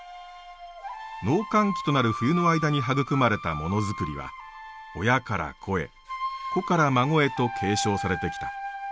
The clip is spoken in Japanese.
農閑期となる冬の間に育まれたモノづくりは親から子へ子から孫へと継承されてきた。